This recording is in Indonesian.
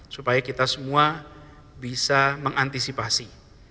supaya kita semua bisa mengantisipasi